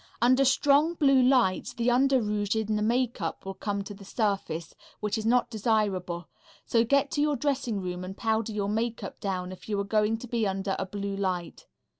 Under strong blue lights the under rouge in the makeup will come to the surface, which is not desirable, so get to your dressing room and powder your makeup down if you are going to be under a blue light.